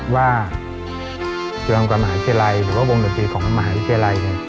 ว่าจุฬาลงกรมหาวิทยาลัยหรือว่าวงดนตรีของมหาวิทยาลัย